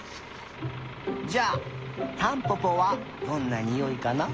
じゃあタンポポはどんなにおいかな。